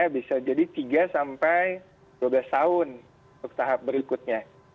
bisa jadi tiga sampai dua belas tahun untuk tahap berikutnya